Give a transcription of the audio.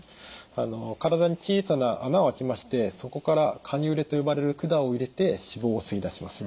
体に小さな孔をあけましてそこからカニューレと呼ばれる管を入れて脂肪を吸い出します。